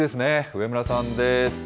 上村さんです。